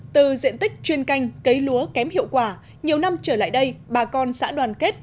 từ diện tích chuyên canh cấy lúa kém hiệu quả nhiều năm trở lại đây bà con xã đoàn kết